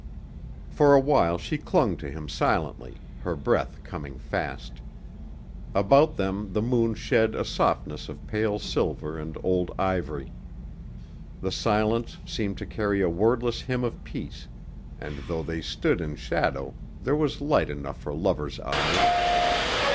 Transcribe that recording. For a while she clung to him silently, her breath coming fast. About them the moon shed a softness of pale silver and old ivory. The silence seemed to carry a wordless hymn of peace and though they stood in shadow there was light enough for lovers' eyes.